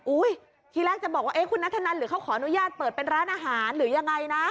ทีแรกจะบอกว่าคุณนัทธนันหรือเขาขออนุญาตเปิดเป็นร้านอาหารหรือยังไงนะ